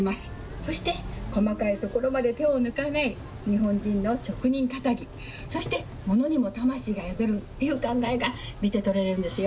そして細かいところまで手を抜かない、日本人の職人かたぎ、そして物にも魂が宿るっていう考えが見て取れるんですよ。